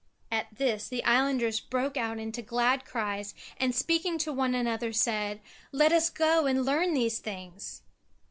At this the islanders broke out into glad cries and speaking to one another said: "Let us go and learn these things."